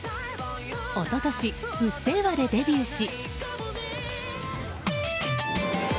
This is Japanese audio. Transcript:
一昨年「うっせぇわ」でデビューし。